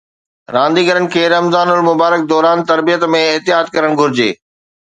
رانديگرن کي رمضان المبارڪ دوران تربيت ۾ احتياط ڪرڻ گهرجي